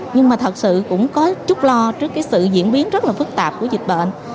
nhưng mà thật sự cũng có chút lo trước cái sự diễn biến rất là phức tạp của dịch bệnh